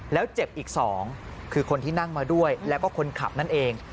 แล้วเจ็บอีก๒คือคนที่นั่งมาด้วยแล้วก็คนขับนั่นเอง